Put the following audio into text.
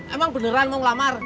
emang beneran mau ngelamar